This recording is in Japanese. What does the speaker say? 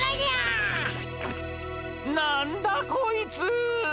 なんだこいつ！